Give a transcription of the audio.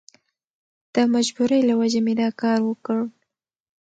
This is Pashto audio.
د مجبورۍ له وجهې مې دا کار وکړ.